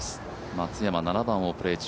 松山、７番をプレー中。